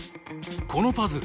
このパズル